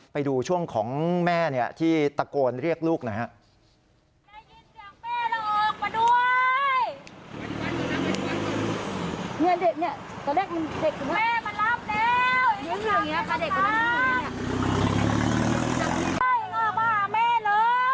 ไปดูช่วงของแม่ที่ตะโกนเรียกลูกหน่อยฮะ